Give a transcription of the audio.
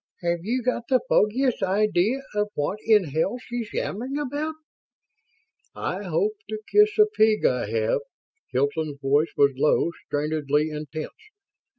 "Have you got the foggiest idea of what in hell she's yammering about?" "I hope to kiss a pig I have!" Hilton's voice was low, strainedly intense.